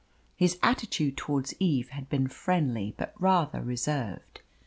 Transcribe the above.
His attitude towards Eve had been friendly, but rather reserved.